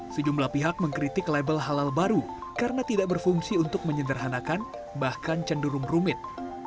sejumlah pihak mengkritik label halal baru karena tidak berfungsi untuk menyederhanakan bahkan cenderung rumit